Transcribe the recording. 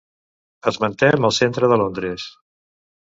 Esmentem el centre de Londres.